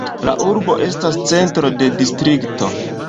La urbo estas centro de distrikto.